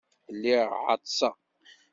Lliɣ ɛeṭṭseɣ.